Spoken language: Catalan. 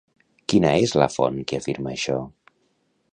Quina és la font que afirma això?